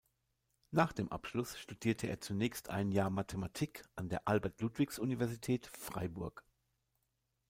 Nach dem Abschluss studierte er zunächst ein Jahr Mathematik an der Albert-Ludwigs-Universität Freiburg.